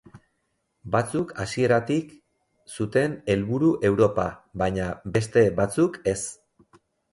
Batzuk hasieratik zuten helburu Europa, baina beste batzuk ez.